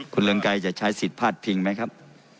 คุณเรืองไกรจะใช้สิทธิ์พาดพิงไหมครับ